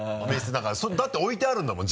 だって置いてあるんだもん